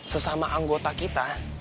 sesama anggota kita